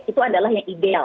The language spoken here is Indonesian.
itu adalah yang ideal